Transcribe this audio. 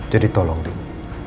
jadi tolong din